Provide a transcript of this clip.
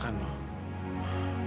kamu makan dulu ya